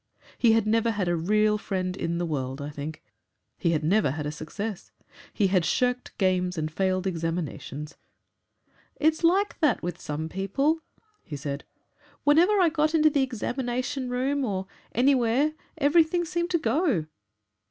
He had never had a real friend in the world, I think; he had never had a success. He had shirked games and failed examinations. 'It's like that with some people,' he said; 'whenever I got into the examination room or anywhere everything seemed to go.'